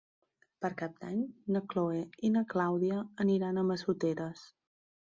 Per Cap d'Any na Chloé i na Clàudia aniran a Massoteres.